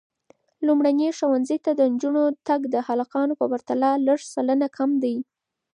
لومړني ښوونځي ته د نجونو تګ د هلکانو په پرتله لس سلنه کم دی.